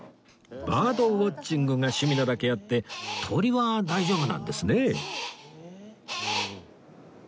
バードウォッチングが趣味なだけあって鳥は大丈夫なんですね